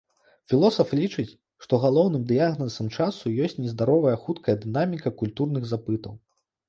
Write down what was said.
Філосаф лічыць, што галоўным дыягназам часу ёсць нездаровая хуткая дынаміка культурных запытаў.